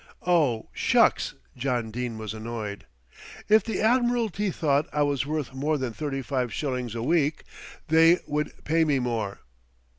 "Oh, shucks!" John Dene was annoyed. "If the Admiralty thought I was worth more than thirty five shillings a week, they would pay me more."